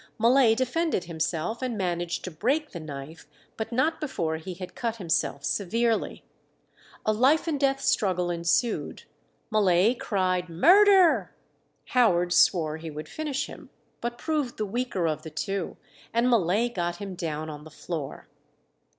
Mullay defended himself, and managed to break the knife, but not before he had cut himself severely. A life and death struggle ensued. Mullay cried "Murder!" Howard swore he would finish him, but proved the weaker of the two, and Mullay got him down on the floor.